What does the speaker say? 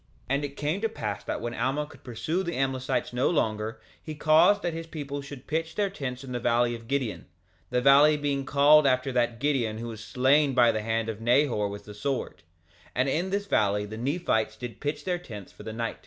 2:20 And it came to pass that when Alma could pursue the Amlicites no longer he caused that his people should pitch their tents in the valley of Gideon, the valley being called after that Gideon who was slain by the hand of Nehor with the sword; and in this valley the Nephites did pitch their tents for the night.